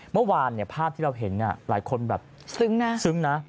เมื่อวานภาพที่เราเห็นหลายคนซึ้งนะ